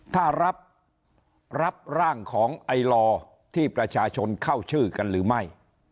ถ้ารับร่างของไอลอที่ประชาชนเข้าชื่อกันหรือไม่